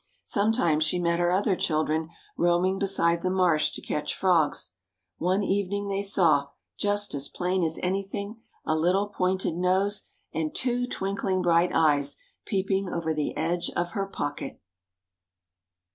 Sometimes she met her other children roaming beside the marsh to catch frogs. One evening they saw, just as plain as anything, a little pointed nose and two twinkling bright eyes peeping over the edge of her pocket.